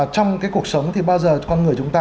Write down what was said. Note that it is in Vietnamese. trong cái cuộc sống thì bao giờ con người chúng ta